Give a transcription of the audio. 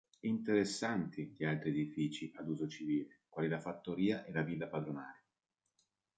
Interessanti gli altri edifici ad uso civile, quali la fattoria e la villa padronale.